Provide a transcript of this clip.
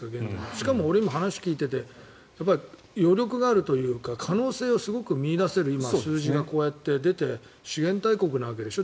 しかも、俺、今話を聞いていて余力があるというか可能性をすごく見いだせる今、数字がこうやって出て資源大国なわけでしょ。